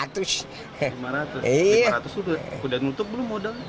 berapa ratus sudah nutup belum modalnya